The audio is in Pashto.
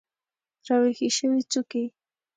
راویښې شوي څوکې